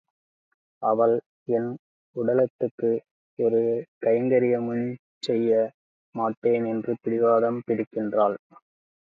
அவள் என் உடலத்துக்கு ஒரு கைங்கரியமுஞ் செய்ய மாட்டேன் என்று பிடிவாதம் பிடிக்கின்றாள்.